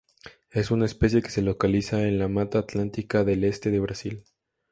Es una especie que se localiza en la mata atlántica del este de Brasil.